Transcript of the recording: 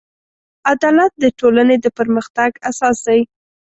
عدالت د ټولنې د پرمختګ اساس دی.